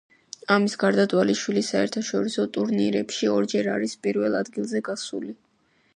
ამას გარდა, დვალიშვილი საერთაშორისო ტურნირებში ორჯერ არის პირველ ადგილზე გასული.